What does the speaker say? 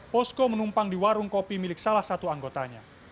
posko menumpang di warung kopi milik salah satu anggotanya